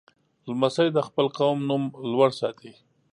لمسی د خپل قوم نوم لوړ ساتي.